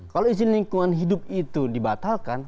kalau izin lingkungan hidup itu dibatalkan